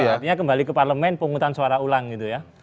artinya kembali ke parlemen penghutang suara ulang gitu ya